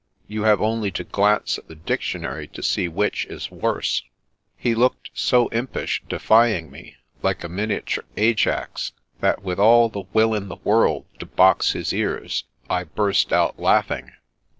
You have only to glance at the dictionary to see which is worse." He looked so impish, defying me, like a miniature Ajajc, that with all the will in the world to box his ears, I burst out laughing.